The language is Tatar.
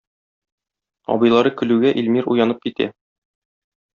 Абыйлары көлүгә Илмир уянып китә.